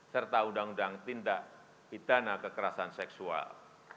serta undang undang tindak pidana kekerasan seksual